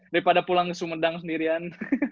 daripada pulang ke sumedang sendirian